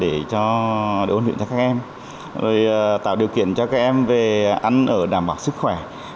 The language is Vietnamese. để cho đội ôn luyện cho các em tạo điều kiện cho các em về ăn ở đảm bảo sức khỏe